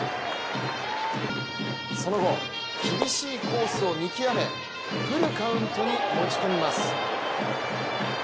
その後、厳しいコースを見極めフルカウントに持ち込みます。